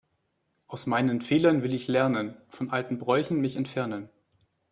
Aus meinen Fehlern will ich lernen, von alten Bräuchen mich entfernen.